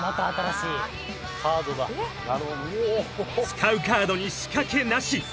［使うカードに仕掛けなし］